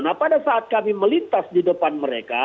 nah pada saat kami melintas di depan mereka